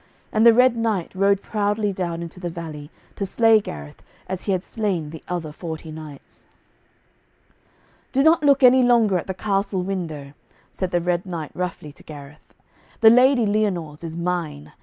And the Red Knight rode proudly down into the valley, to slay Gareth, as he had slain the other forty knights. 'Do not look any longer at the castle window,' said the Red Knight roughly to Gareth. 'The Lady Lyonors is mine.